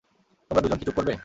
তোমরা দুজন কি চুপ করবে!